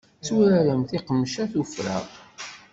Tturaren tiqemca tufra.